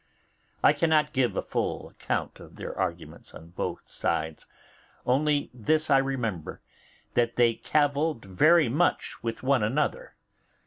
I cannot give a full account of their arguments on both sides; only this I remember, that they cavilled very much with one another.